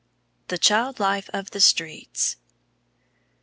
THE CHILD LIFE OF THE STREETS.